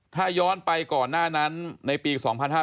ถ้าย้อนไปก่อนหน้านั้นในปี๒๕๕๙